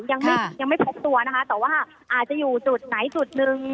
ยังไม่ยังไม่พบตัวนะคะแต่ว่าอาจจะอยู่จุดไหนจุดหนึ่ง